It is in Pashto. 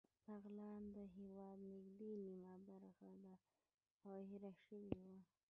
بغلان د هېواد نږدې نیمه برخه ده او هېره شوې وه